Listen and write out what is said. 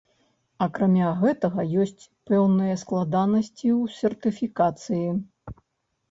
Акрамя гэтага ёсць пэўныя складанасці ў сертыфікацыі.